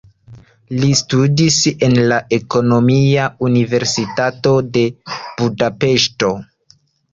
Li studis en la Ekonomia Universitato de Budapeŝto.